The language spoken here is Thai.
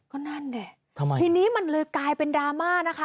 ก็นั่นดิทำไมทีนี้มันเลยกลายเป็นดราม่านะคะ